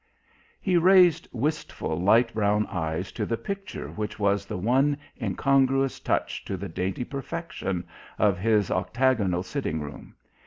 He raised wistful, light brown eyes to the picture which was the one incongruous touch to the dainty perfection of his octagonal sitting room.